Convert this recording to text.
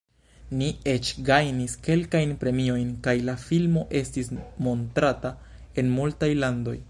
Ni eĉ gajnis kelkajn premiojn, kaj la filmo estis montrata en multaj landoj.